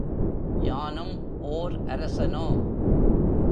யானும் ஓர் அரசனோ?